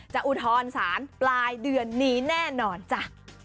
อุทธรณ์สารปลายเดือนนี้แน่นอนจ้ะ